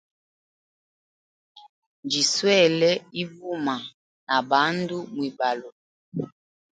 Njiswele ivuma na bandu mwibalo.